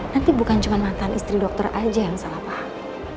nanti bukan cuma mantan istri dokter aja yang salah paham